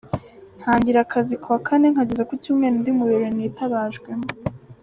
Ntangira akazi kuwa Kane nkageza ku Cyumweru ndi mu birori nitabajwemo.